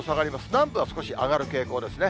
南部は少し上がる傾向ですね。